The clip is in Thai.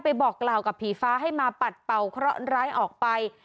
บอกกล่าวกับผีฟ้าให้มาปัดเป่าเคราะห์ร้ายออกไป